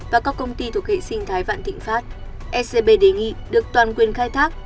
và các công ty thuộc hệ sinh thái vạn thịnh pháp ecb đề nghị được toàn quyền khai thác